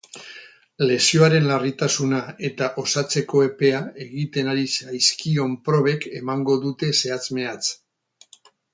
Lesioaren larritasuna eta osatzeko epea, egiten ari zaizkion probek emango dute zehatz-mehatz.